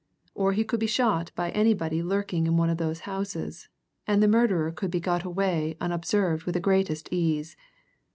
Or he could be shot by anybody lurking in one of those houses, and the murderer could be got away unobserved with the greatest ease.